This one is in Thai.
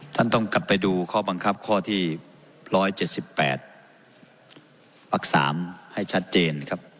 ท่านต้องกลับไปดูข้อบังคับข้อที่๑๗๘วัก๓ให้ชัดเจนครับ